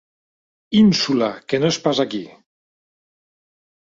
Ínsula que no és pas aquí.